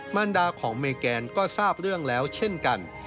มันดาของเมแกนก็ทราบเรื่องแล้วเช่นกัน